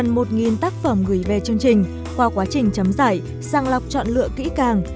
từ gần một nghìn tác phẩm gửi về chương trình qua quá trình chấm giải sang lọc chọn lựa kỹ càng